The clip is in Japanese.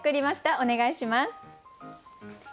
お願いします。